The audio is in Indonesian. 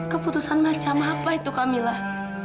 keputusan macam apa itu kamilah